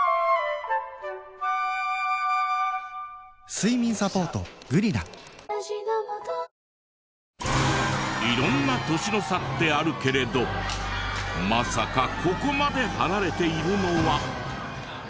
睡眠サポート「グリナ」色んな年の差ってあるけれどまさかここまで離れているのは。